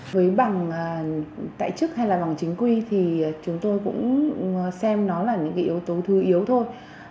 với bằng tại chức hay là bằng chính quy thì chúng tôi cũng xem nó là những cái yếu tố thứ yếu thôi